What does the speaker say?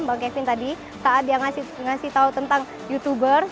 bang kevin tadi saat dia ngasih tahu tentang youtubers